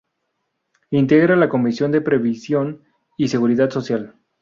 Integra la Comisión de Previsión y Seguridad Social.